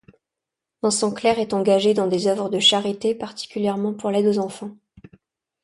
Vincent Clerc est engagé dans des œuvres de charité, particulièrement pour l'aide aux enfants.